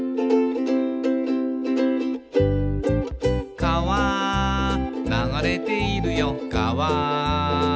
「かわ流れているよかわ」